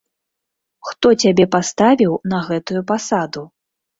Хто цябе паставіў на гэтую пасаду?